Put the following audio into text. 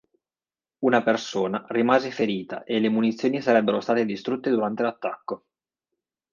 Una persona rimase ferita e le munizioni sarebbero state distrutte durante l'attacco.